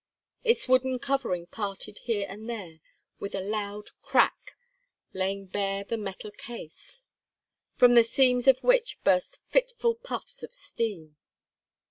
Its wooden covering parted here and there with a loud crack, laying bare the metal case, from the seams of which burst fitful puffs of steam.